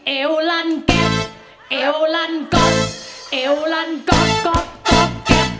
เอวลั่นแก๊บเอวลั่นก๊อบก๊อบก๊อบก๊อบก๊อบก๊อบ